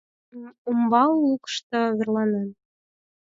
Умбал лукышто верланен.